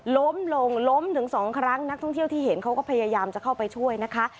ล้มลงล้มถึงสองครั้งนักท่องเที่ยวที่เห็นเขาก็พยายามจะเข้าไปช่วยนะคะ